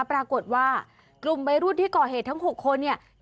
ปรากฏว่ากลุ่มวัยรุ่นที่ก่อเหตุทั้ง๖คนเนี่ย